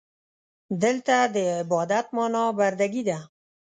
دلته د عبادت معنا برده ګي ده.